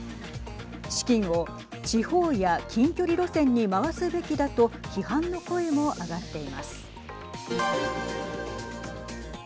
資金を地方や近距離路線に回すべきだと批判の声も上がっています。